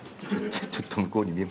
ちょっと向こうに見えました。